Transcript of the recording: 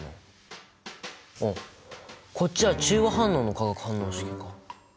あっこっちは中和反応の化学反応式か。